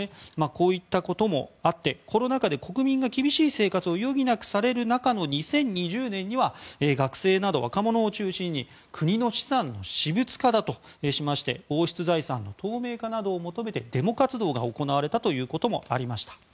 こういったこともあってコロナ禍で国民が厳しい生活を余儀なくされる中の２０２０年には学生など若者を中心に国の資産の私物化だとして王室財産の透明化などを求めてデモ活動が行われたということもありました。